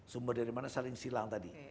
sumber dari mana saling silang tadi